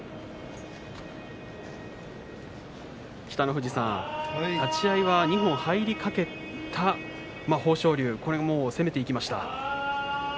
北の富士さん、立ち合いは二本入りかけた豊昇龍攻めていきました。